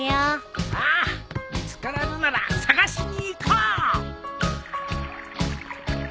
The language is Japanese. ああ見つからぬなら探しに行こう。